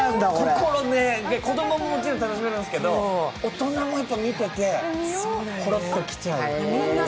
子どもも、もちろん楽しめるんですけど、大人も見ててホロッときちゃう。